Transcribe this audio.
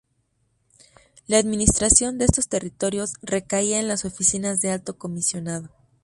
La administración de estos territorios recaía en las oficinas del Alto Comisionado.